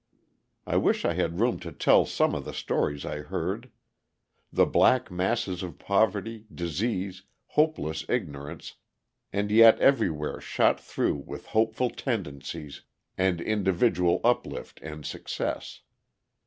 I wish I had room to tell some of the stories I heard: the black masses of poverty, disease, hopeless ignorance, and yet everywhere shot through with hopeful tendencies and individual uplift and success.